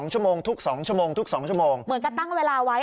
เหมือนกับตั้งเวลาไว้